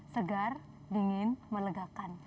segar dingin melegakan